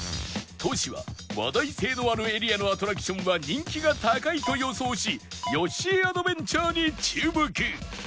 トシは話題性のあるエリアのアトラクションは人気が高いと予想しヨッシー・アドベンチャーに注目